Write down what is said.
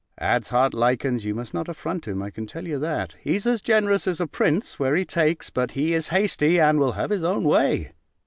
Ad's heartlikens, you must not affront him, I can tell you that: he's as generous as a prince, where he takes; but he is hasty, and will have his own way."